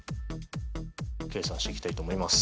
計算していきたいと思います。